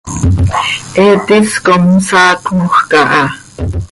He tis com saacmoj caha.